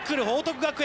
学園